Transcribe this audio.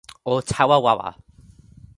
o tawa wawa.